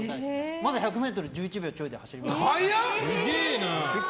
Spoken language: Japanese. まだ１００ｍも１１秒ちょいで走れますよ。